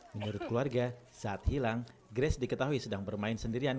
menurut keluarga saat hilang grace diketahui sedang bermain sendirian